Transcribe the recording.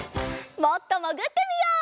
もっともぐってみよう。